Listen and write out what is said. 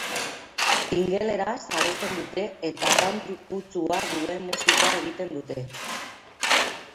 Ingeleraz abesten dute eta country kutxua duen musika egiten dute.